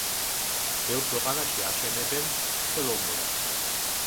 ბევრ ქვეყანაში აშენებენ ხელოვნურად.